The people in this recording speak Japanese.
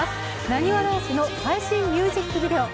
なにわ男子の最新ミュージックビデオ。